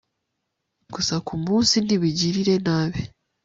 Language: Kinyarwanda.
gusa ku munsi ntibigirire nabi